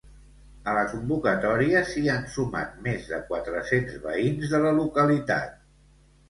A la convocatòria s'hi han sumat més de quatre-cents veïns de la localitat.